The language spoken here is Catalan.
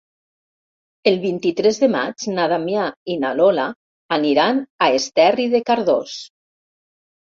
El vint-i-tres de maig na Damià i na Lola aniran a Esterri de Cardós.